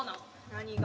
何が？